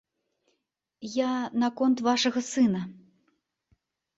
Я наконт вашага сына.